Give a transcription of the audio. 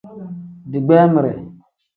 Digbamire.